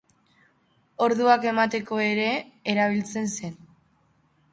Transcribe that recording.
Orduak emateko ere erabiltzen zen.